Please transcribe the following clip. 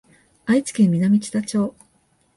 愛知県南知多町